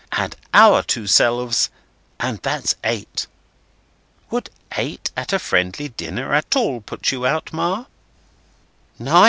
Add our two selves, and that's eight. Would eight at a friendly dinner at all put you out, Ma?"